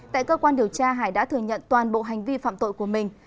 tại cơ quan điều tra hải đã thừa nhận toàn bộ hành vi phạm tội của mình